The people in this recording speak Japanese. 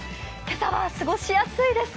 今朝は過ごしやすいです。